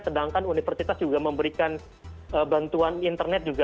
sedangkan universitas juga memberikan bantuan internet juga